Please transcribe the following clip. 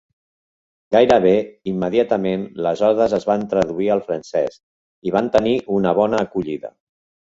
Gairebé immediatament, les odes es van traduir al francès i van tenir una bona acollida.